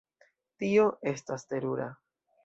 Tio estas terura.